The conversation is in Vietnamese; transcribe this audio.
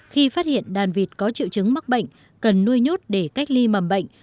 khi phát hiện đàn vịt có triệu chứng mắc bệnh cần nuôi nhốt để cách ly mầm bệnh